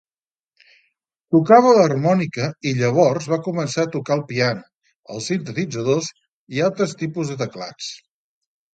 Tocava l'harmònica i llavors va començar a tocar el piano, els sintetitzadors i altres tipus de teclats.